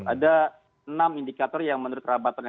ada enam indikator yang menurut perabatan action